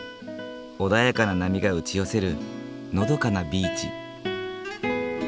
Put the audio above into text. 穏やかな波が打ち寄せるのどかなビーチ。